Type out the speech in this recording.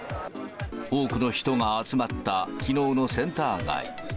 多くの人が集まった、きのうのセンター街。